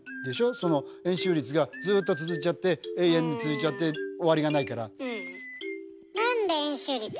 その円周率がずっと続いちゃって永遠に続いちゃって終わりがないから。